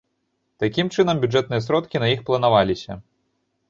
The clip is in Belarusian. Такім чынам, бюджэтныя сродкі на іх планаваліся.